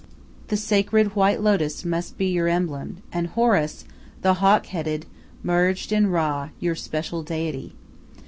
The sacred white lotus must be your emblem, and Horus, the hawk headed, merged in Ra, your special deity.